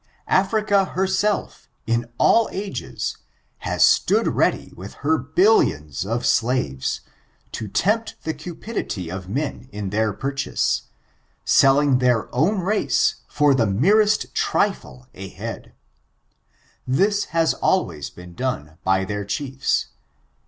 Africa herself, in all ages, has stood ready with her billions of slaves, to tempt the cupidity of men in fheir purchase, selling their own race for the merest trifle a head — this has always been done by their diiefs.